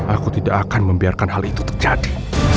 aku tidak akan membiarkan hal itu terjadi